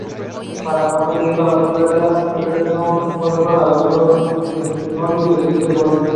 Para cuando llegó a Australia, Egerton-Warburton adoptó el pseudónimo de Peter Warburton.